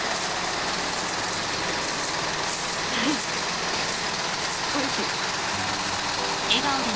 フフおいしい。